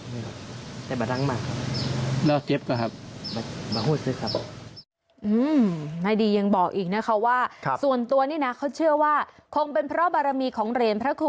นายดียังบอกอีกนะคะว่าส่วนตัวนี่นะเขาเชื่อว่าคงเป็นเพราะบารมีของเหรียญพระครู